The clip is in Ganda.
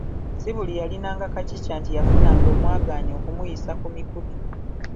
Si buli yalinanga kacica nti yafunanga omwagaanya okumuyisa ku mikutu